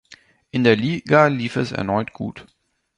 In der Liga lief es erneut gut.